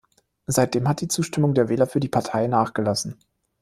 Seitdem hat die Zustimmung der Wähler für die Partei nachgelassen.